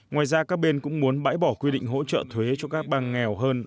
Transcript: ngoài ra các bên cũng muốn bãi bỏ quy định hỗ trợ thuế cho các bang nghèo hơn